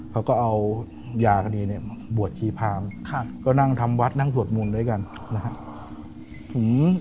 เขาก็เอายากณีเนี่ยบวชชีพาร์มก็นั่งทำวัดนั่งสวดมูลด้วยกันนะฮะ